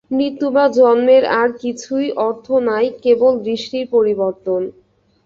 মৃত্যু বা জন্মের আর কিছুই অর্থ নাই, কেবল দৃষ্টির পরিবর্তন।